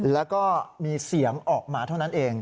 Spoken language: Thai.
แล้วก็มีเสียงออกมาเท่านั้นเอง